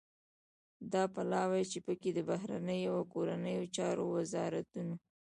دا پلاوی چې پکې د بهرنیو او کورنیو چارو وزارتون